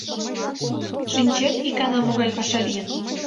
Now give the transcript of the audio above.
— Шинчет: икана могай паша лийын?